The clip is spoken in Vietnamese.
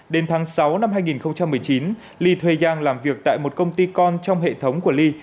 đến tháng sáu năm hai nghìn một mươi chín ly thuê yang làm việc tại một công ty con trong hệ thống của ly